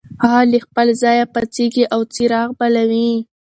هغه له خپل ځایه پاڅېږي او څراغ بلوي.